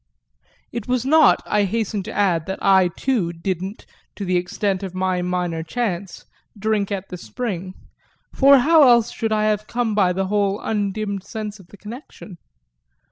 It was not, I hasten to add, that I too didn't, to the extent of my minor chance, drink at the spring; for how else should I have come by the whole undimmed sense of the connection?